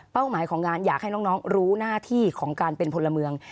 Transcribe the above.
หมายของงานอยากให้น้องรู้หน้าที่ของการเป็นพลเมือง